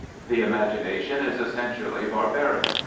The imagination is essentially barbaric.